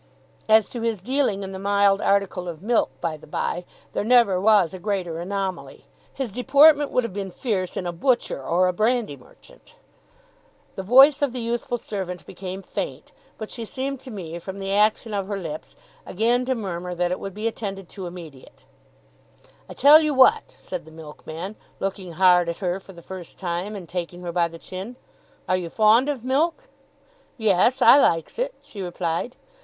As to his dealing in the mild article of milk, by the by, there never was a greater anomaly. His deportment would have been fierce in a butcher or a brandy merchant. The voice of the youthful servant became faint, but she seemed to me, from the action of her lips, again to murmur that it would be attended to immediate. 'I tell you what,' said the milkman, looking hard at her for the first time, and taking her by the chin, 'are you fond of milk?' 'Yes, I likes it,' she replied.